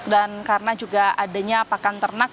dan karena juga adanya pakan ternak